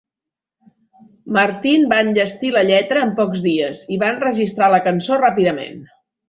Martin va enllestir la lletra en pocs dies i van enregistrar la cançó ràpidament.